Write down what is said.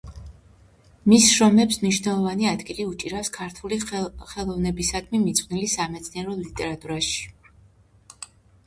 მის შრომებს მნიშვნელოვანი ადგილი უჭირავს ქართული ხელოვნებისადმი მიძღვნილ სამეცნიერო ლიტერატურაში.